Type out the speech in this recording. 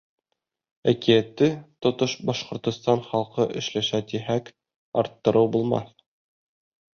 Әкиәтте тотош Башҡортостан халҡы эшләшә тиһәк, арттырыу булмаҫ.